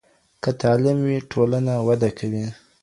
که تعلیم وي، ټولنه وده کوي.